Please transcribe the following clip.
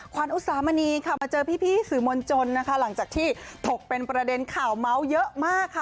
ขวัญอุสามณีค่ะมาเจอพี่สื่อมวลชนนะคะหลังจากที่ถกเป็นประเด็นข่าวเมาส์เยอะมากค่ะ